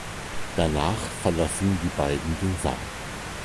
Danach verlassen die beiden den Saal.